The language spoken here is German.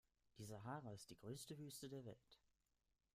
Die Sahara ist die größte Wüste der Welt.